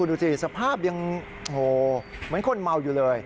ดูสิสภาพยังเหมือนคนเมาอยู่เลย